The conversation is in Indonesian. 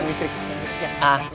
sama yang disebelah yang listrik